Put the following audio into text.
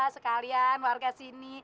sekalian warga sini